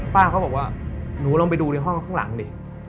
ป้าเขาบอกว่าหนูลองไปดูในห้องข้างหลังดิ